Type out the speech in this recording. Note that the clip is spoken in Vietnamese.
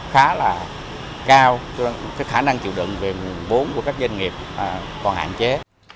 thì khả năng chịu đựng về vốn của các doanh nghiệp còn hạn chế